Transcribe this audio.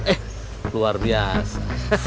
eh luar biasa